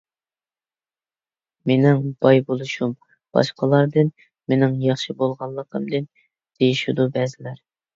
«مېنىڭ باي بولۇشۇم، باشقىلاردىن مېنىڭ ياخشى بولغانلىقىمدىن» دېيىشىدۇ بەزىلەر.